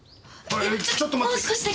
ちょっと待って！